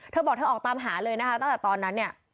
เธอบอกเธอออกตามหาเลยตั้งแต่ตอนนั้น